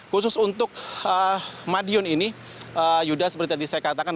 khusus untuk madiun ini yuda seperti tadi saya katakan